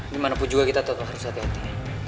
dimanapun juga kita tetap harus hati hati